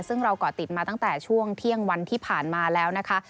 ซึ่งเราก่อติดมาตั้งแต่ช่วงเที่ยงวันที่ผ่านมาแล้วนะคะ